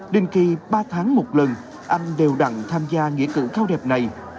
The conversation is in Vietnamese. đình kỳ ba tháng một lần anh đều đặn tham gia nghĩa cử cao đẹp này